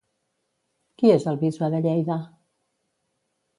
Qui és el Bisbe de Lleida?